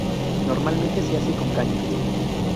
Normalmente se hace con cañas.